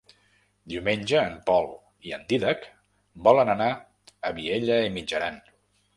Diumenge en Pol i en Dídac volen anar a Vielha e Mijaran.